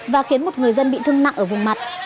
và khiến một người dân bị thương nặng ở vùng mặt